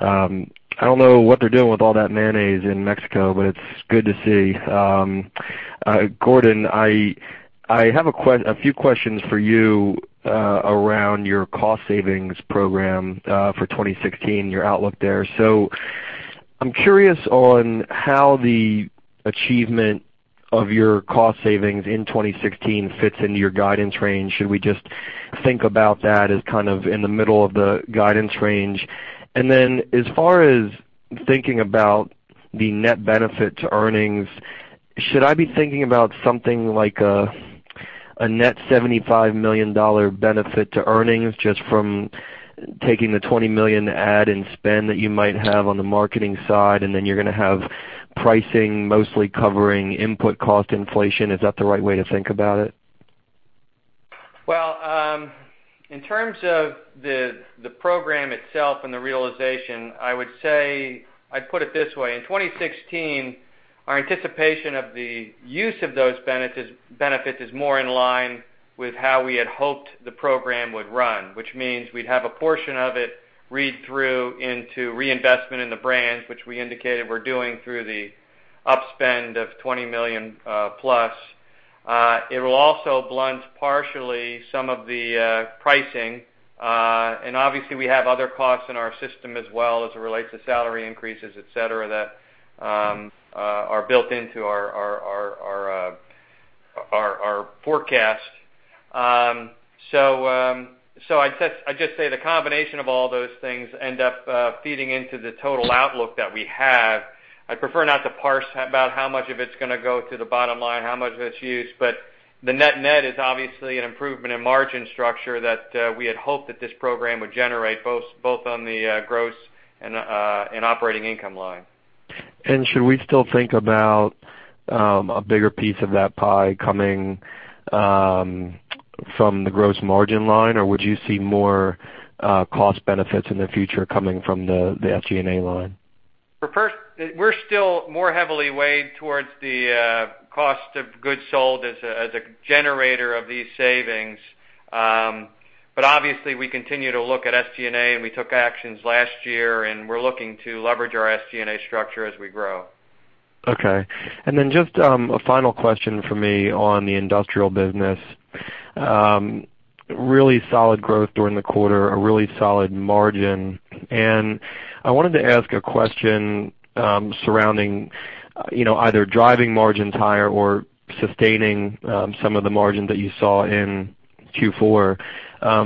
I don't know what they're doing with all that mayonnaise in Mexico, but it's good to see. Gordon, I have a few questions for you around your cost savings program for 2016, your outlook there. I'm curious on how the achievement of your cost savings in 2016 fits into your guidance range. Should we just think about that as in the middle of the guidance range? As far as thinking about the net benefit to earnings, should I be thinking about something like a net $75 million benefit to earnings just from taking the $20 million ad spend that you might have on the marketing side, and then you're going to have pricing mostly covering input cost inflation. Is that the right way to think about it? Well, in terms of the program itself and the realization, I would say, I'd put it this way, in 2016, our anticipation of the use of those benefits is more in line with how we had hoped the program would run, which means we'd have a portion of it read through into reinvestment in the brands, which we indicated we're doing through the up-spend of $20 million plus. It will also blunt partially some of the pricing. Obviously, we have other costs in our system as well as it relates to salary increases, et cetera, that are built into our forecast. I'd just say the combination of all those things end up feeding into the total outlook that we have. I'd prefer not to parse about how much of it's going to go to the bottom line, how much of it's used, the net is obviously an improvement in margin structure that we had hoped that this program would generate both on the gross and operating income line. Should we still think about a bigger piece of that pie coming from the gross margin line? Or would you see more cost benefits in the future coming from the SG&A line? We're still more heavily weighed towards the cost of goods sold as a generator of these savings. Obviously, we continue to look at SG&A, and we took actions last year, and we're looking to leverage our SG&A structure as we grow. Okay. Just a final question from me on the industrial business. Really solid growth during the quarter, a really solid margin. I wanted to ask a question surrounding either driving margins higher or sustaining some of the margin that you saw in Q4,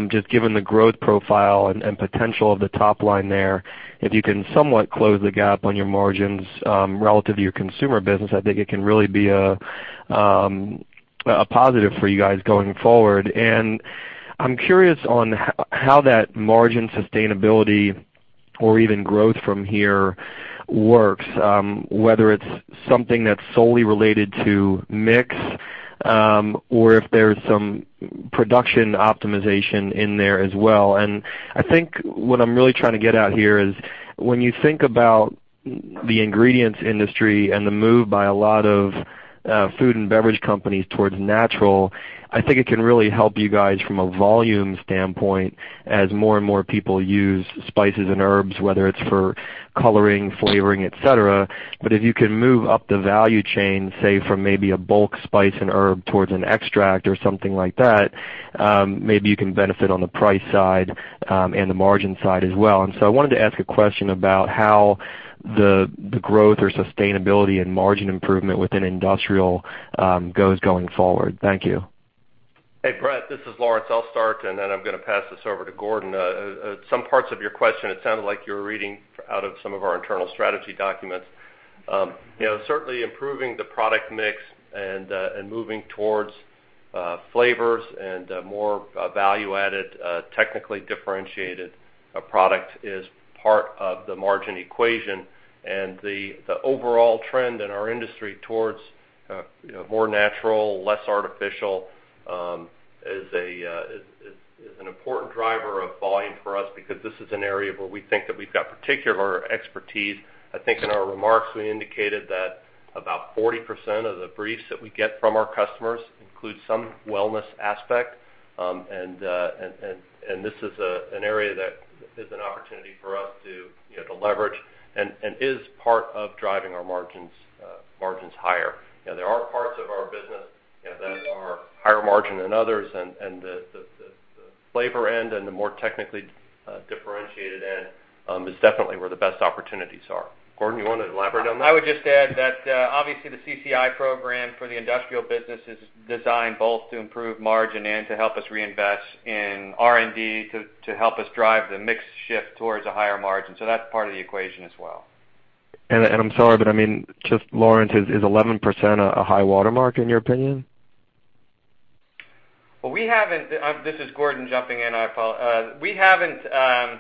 just given the growth profile and potential of the top line there. If you can somewhat close the gap on your margins relative to your consumer business, I think it can really be a positive for you guys going forward. I'm curious on how that margin sustainability Or even growth from here works, whether it's something that's solely related to mix, or if there's some production optimization in there as well. I think what I'm really trying to get at here is, when you think about the ingredients industry and the move by a lot of food and beverage companies towards natural, I think it can really help you guys from a volume standpoint as more and more people use spices and herbs, whether it's for coloring, flavoring, et cetera. If you can move up the value chain, say from maybe a bulk spice and herb towards an extract or something like that, maybe you can benefit on the price side, and the margin side as well. I wanted to ask a question about how the growth or sustainability and margin improvement within industrial goes going forward. Thank you. Hey, Brett, this is Lawrence Kurzius. Then I'm going to pass this over to Gordon. Some parts of your question, it sounded like you were reading out of some of our internal strategy documents. Certainly improving the product mix and moving towards flavors and more value-added, technically differentiated product is part of the margin equation. The overall trend in our industry towards more natural, less artificial, is an important driver of volume for us because this is an area where we think that we've got particular expertise. I think in our remarks, we indicated that about 40% of the briefs that we get from our customers include some wellness aspect, and this is an area that is an opportunity for us to leverage and is part of driving our margins higher. There are parts of our business that are higher margin than others. The flavor end and the more technically differentiated end is definitely where the best opportunities are. Gordon, you want to elaborate on that? I would just add that, obviously, the CCI program for the industrial business is designed both to improve margin and to help us reinvest in R&D to help us drive the mix shift towards a higher margin, that's part of the equation as well. I'm sorry, I mean, just Lawrence, is 11% a high watermark in your opinion? Well, we haven't. This is Gordon jumping in. We haven't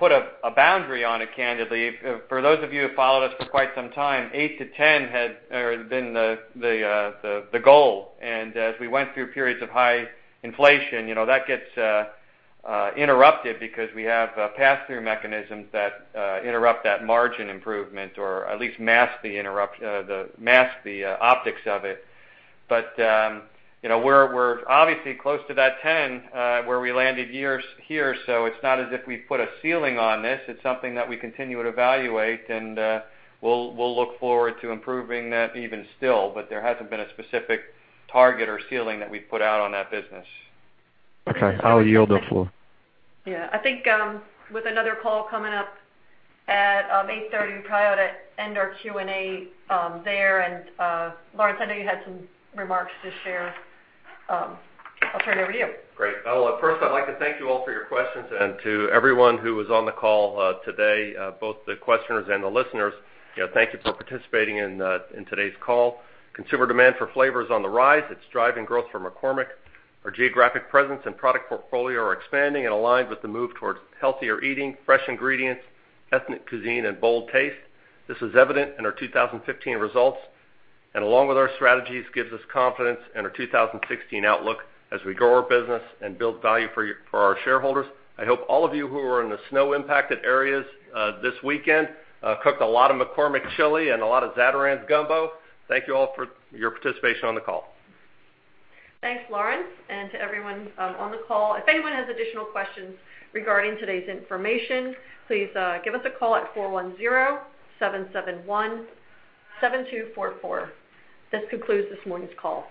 put a boundary on it, candidly. For those of you who followed us for quite some time, 8 to 10 had been the goal, and as we went through periods of high inflation, that gets interrupted because we have pass-through mechanisms that interrupt that margin improvement or at least mask the optics of it. We're obviously close to that 10 where we landed here, so it's not as if we've put a ceiling on this. It's something that we continue to evaluate, and we'll look forward to improving that even still, but there hasn't been a specific target or ceiling that we've put out on that business. Okay. I'll yield the floor. Yeah. I think with another call coming up at 8:30, we probably ought to end our Q&A there. Lawrence, I know you had some remarks to share. I'll turn it over to you. Great. Well, first, I'd like to thank you all for your questions and to everyone who was on the call today, both the questioners and the listeners. Thank you for participating in today's call. Consumer demand for flavor is on the rise. It's driving growth for McCormick. Our geographic presence and product portfolio are expanding and aligned with the move towards healthier eating, fresh ingredients, ethnic cuisine, and bold taste. This is evident in our 2015 results, and along with our strategies, gives us confidence in our 2016 outlook as we grow our business and build value for our shareholders. I hope all of you who are in the snow-impacted areas this weekend cook a lot of McCormick chili and a lot of Zatarain's gumbo. Thank you all for your participation on the call. Thanks, Lawrence, and to everyone on the call. If anyone has additional questions regarding today's information, please give us a call at 410-771-7244. This concludes this morning's call.